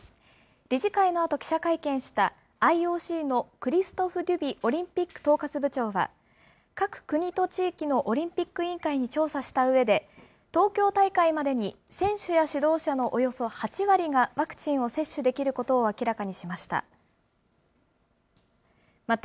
理事会のあと記者会見した、ＩＯＣのクリストフ・デュビオリンピック統括部長は、各国と地域のオリンピック委員会に調査したうえで、東京大会までに選手や指導者のおよそ８割がワクチンを接種できることを明らかにしました。